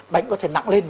bệnh có thể nặng lên